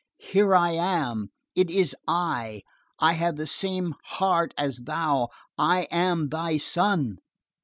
Here I am! It is I! I have the same heart as thou! I am thy son!"